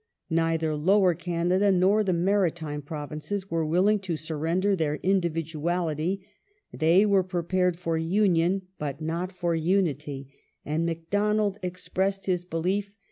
Neither Lower Canada nor the Maritime Provinces were willing to surrender their individuality ; they were prepared for Union, but not for Unity ; and Macdonald expressed his belief that ^ Durham, Report^ vol.